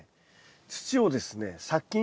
土をですね殺菌処理。